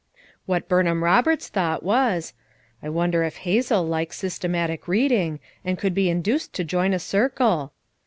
What Burnham Roberts thought was: "I wonder if Hazel likes systematic reading, and could be induced to join a Circle!"